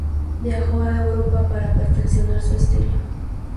Viajó a Europa para perfeccionar su estilo.